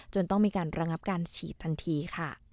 ต้องมีการระงับการฉีดทันทีค่ะ